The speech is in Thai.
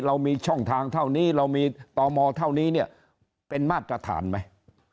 เรามีช่องทางเท่านี้เรามีต่อมอเท่านี้เนี่ยเป็นมาตรฐานไหม